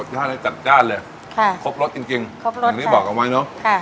ได้จัดจ้านเลยค่ะครบรสจริงจริงครบรสอย่างที่บอกเอาไว้เนอะค่ะ